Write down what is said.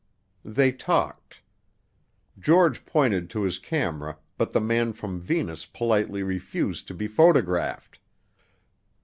They talked. George pointed to his camera but the man from Venus politely refused to be photographed.